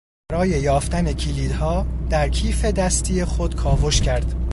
برای یافتن کلیدها در کیف دستی خود کاوش کرد.